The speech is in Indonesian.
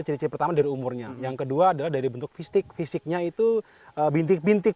ciri ciri pertama dari umurnya yang kedua adalah dari bentuk fisik fisiknya itu bintik bintik